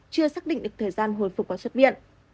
chưa xác định được thời gian hồi phục và xuất viện